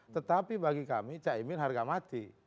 tetapi bagi kami cak imin harga mati